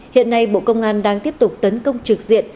hiện nay bộ công an đang tiếp tục tấn công trực diện